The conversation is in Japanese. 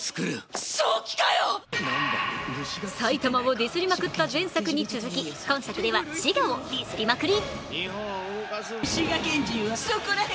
埼玉をディスりまくった前作に続き今作では滋賀をディスりまくり。